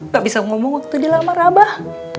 gak bisa ngomong waktu dia lamar abah